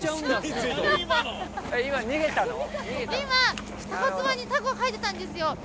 今タコつぼにタコが入ってたんですよ。